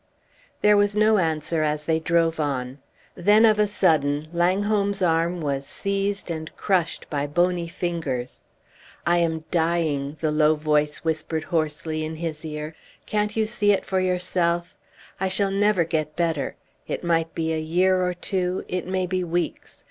There was no answer as they drove on. Then of a sudden Langholm's arm was seized and crushed by bony fingers. "I am dying," the low voice whispered hoarsely in his ear. "Can't you see it for yourself? I shall never get better; it might be a year or two, it may be weeks.